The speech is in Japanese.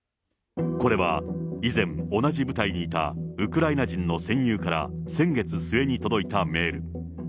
これは以前、同じ部隊にいたウクライナ人の戦友から、先月末に届いたメール。